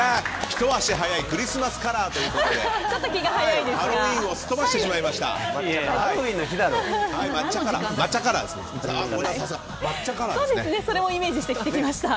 ひと足早いクリスマスカラーということでハロウィーンをすっ飛ばしてしまいました。